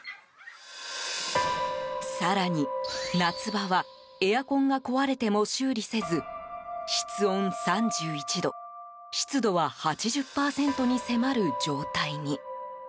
更に夏場はエアコンが壊れても修理せず室温３１度湿度は８０％に迫る状態に。